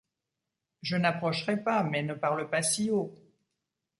Je n’approcherai pas, mais ne parle pas si haut.